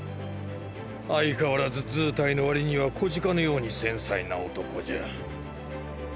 相変わらず図体の割には小鹿のように繊細な男じゃ。